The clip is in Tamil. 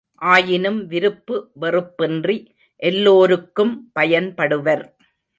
ஆயினும் விருப்பு வெறுப்பின்றி எல்லோருக்கும் பயன்படுவர்.